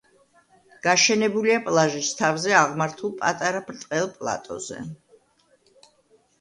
გაშენებულია პლაჟის თავზე აღმართულ პატარა, ბრტყელ პლატოზე.